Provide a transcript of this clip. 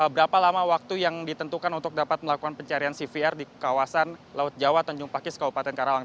berapa lama waktu yang ditentukan untuk dapat melakukan pencarian cvr di kawasan laut jawa tanjung pakis kabupaten karawang